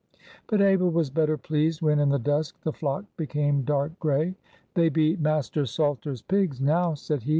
But Abel was better pleased when, in the dusk, the flock became dark gray. "They be Master Salter's pigs now," said he.